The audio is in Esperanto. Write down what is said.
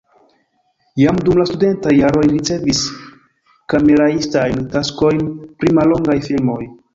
Jam dum la studentaj jaroj li ricevis kameraistajn taskojn pri mallongaj filmoj.